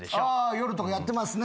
夜とかやってますね。